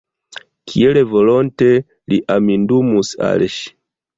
Kiel volonte li amindumus al ŝi!